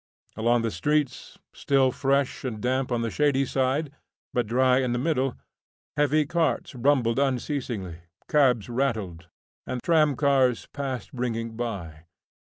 Along the streets, still fresh and damp on the shady side, but dry in the middle, heavy carts rumbled unceasingly, cabs rattled and tramcars passed ringing by.